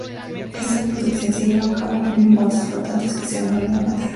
Esta producción se lleva a cabo en balsas flotantes que se denominan bateas.